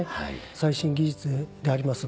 最新技術であります